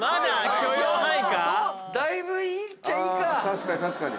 確かに確かに。